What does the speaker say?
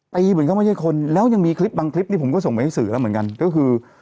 เหมือนเขาไม่ใช่คนแล้วยังมีคลิปบางคลิปนี้ผมก็ส่งไปให้สื่อแล้วเหมือนกันก็คือ